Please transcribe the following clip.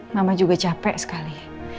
mama juga capek sekali